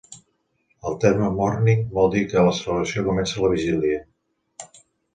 El terme "morning" vol dir que la celebració comença la vigília.